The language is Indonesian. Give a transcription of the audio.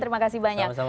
terima kasih banyak